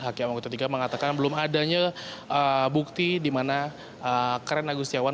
hakim anggota tiga mengatakan belum adanya bukti di mana karen agustiawan